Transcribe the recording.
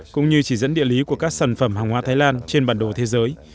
cũng như chỉ dẫn địa lý của các sản phẩm hàng hóa thái lan trên bản đồ thế giới